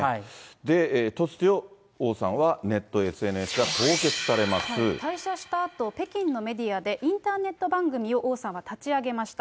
で、突如、王さんはネット、退社したあと、北京のメディアでインターネット番組を王さんは立ち上げました。